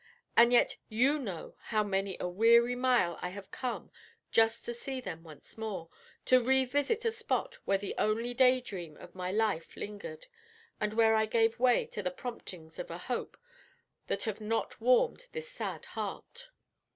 and yet you know how many a weary mile I have come just to see them once more, to revisit a spot where the only day dream of my life lingered, and where I gave way to the promptings of a hope that have not often warmed this sad heart.